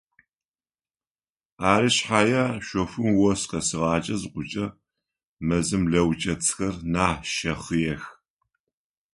Ары шъхьае шъофым ос къесыгъакӏэ зыхъукӏэ мэзым лэучэцӏхэр нахь щэхъыех.